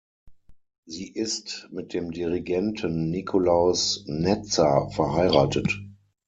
Sie ist mit dem Dirigenten Nikolaus Netzer verheiratet.